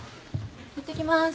いってきます。